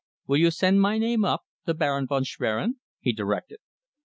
"Will you send my name up the Baron von Schwerin," he directed.